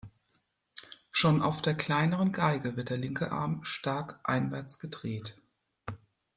Schon auf der kleineren Geige wird der linke Arm stark einwärts gedreht.